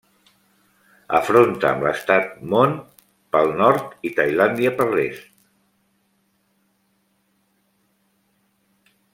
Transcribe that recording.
Afronta amb l'estat Mon pel nord i Tailàndia per l'est.